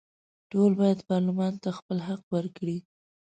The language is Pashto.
ټول باید پارلمان ته خپل حق ورکړي.